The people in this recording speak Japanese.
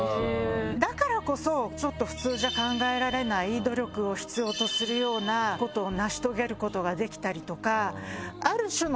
だからこそちょっと普通じゃ考えられない努力を必要とするようなことを成し遂げることができたりとか。